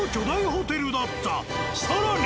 ［さらに］